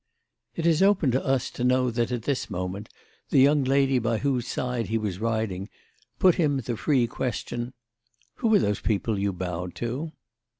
It is open to us to know that at this moment the young lady by whose side he was riding put him the free question: "Who are those people you bowed to?"